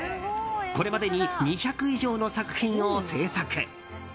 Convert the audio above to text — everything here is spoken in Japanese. これまでに２００以上の作品を制作。